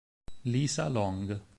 Lisa Long